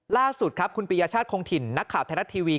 ล่าสุดครับคุณปียชาติคงถิ่นนักข่าวไทยรัฐทีวี